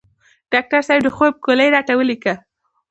ډاکټر صیب د خوب ګولۍ راته ولیکه